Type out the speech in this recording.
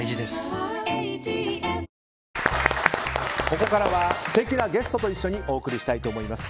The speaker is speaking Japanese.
ここからは素敵なゲストと一緒にお送りしたいと思います。